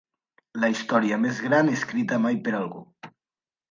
La història més gran escrita mai per algú.